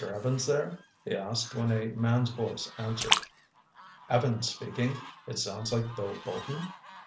Evans there?" he asked when a man's voice answered. "Evans speaking. It sounds like Bill Bolton?"